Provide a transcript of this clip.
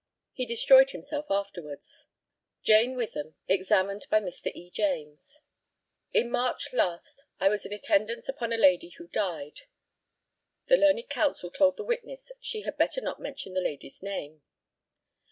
He destroyed himself afterwards. JANE WITHAM, examined by Mr. E. JAMES: In March last I was in attendance upon a lady who died. (The learned counsel told the witness she had better not mention the lady's name.)